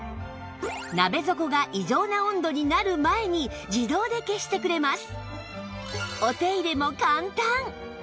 鍋底が異常な温度になる前に自動で消してくれます